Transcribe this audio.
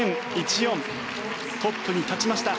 トップに立ちました。